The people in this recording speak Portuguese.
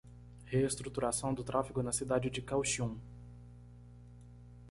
Reestruturação do tráfego na cidade de Kaohsiung